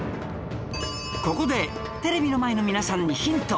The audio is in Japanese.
ここでテレビの前の皆さんにヒント